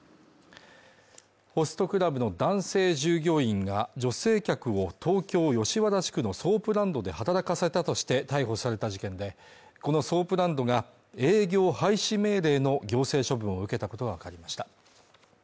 ホストクラブの男性従業員が女性客を東京・吉原地区のソープランドで働かせたとして逮捕された事件でこのソープランドが営業廃止命令の行政処分を受けたことが分かりました